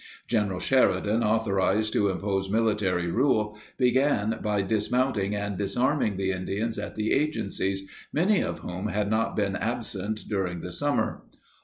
General Sheridan, authorized to impose military rule, began by dismounting and disarming the Indians at the agencies, many of whom had not been absent during the summer.